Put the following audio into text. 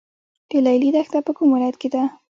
د لیلی دښته په کوم ولایت کې ده؟